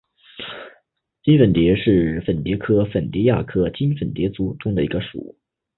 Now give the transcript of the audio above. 襟粉蝶属是粉蝶科粉蝶亚科襟粉蝶族中的一个属。